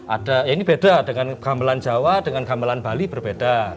ada ini beda dengan gamelan jawa dengan gamelan bali berbeda